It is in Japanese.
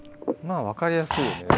まあ分かりやすいよね